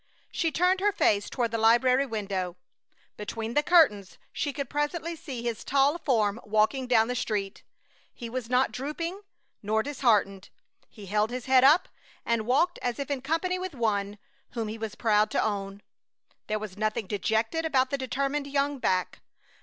She turned her face toward the library window. Between the curtains she could presently see his tall form walking down the street. He was not drooping, nor disheartened. He held his head up and walked as if in company with One whom he was proud to own. There was nothing dejected about the determined young back.